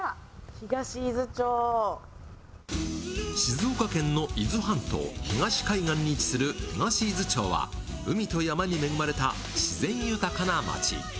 静岡県の伊豆半島東海岸に位置する東伊豆町は海と山に恵まれた自然豊かな町。